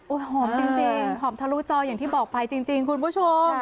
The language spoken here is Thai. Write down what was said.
หอมจริงหอมทะลุจออย่างที่บอกไปจริงคุณผู้ชม